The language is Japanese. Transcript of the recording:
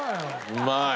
うまい。